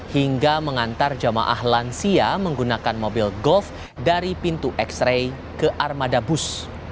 hingga mengantar jamaah lansia menggunakan mobil golf dari pintu x ray ke armada bus